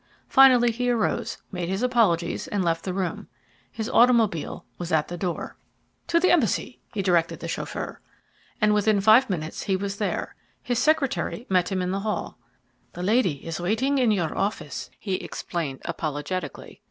Finally he arose, made his apologies, and left the room. His automobile was at the door. [Illustration: The handwriting was unmistakably that of a woman.] "To the embassy," he directed the chauffeur. And within five minutes he was there. His secretary met him in the hall. "The lady is waiting in your office," he explained apologetically.